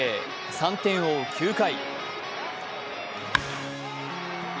３点を追う９回。